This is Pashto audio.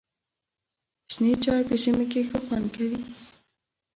شنې چای په ژمي کې ښه خوند کوي.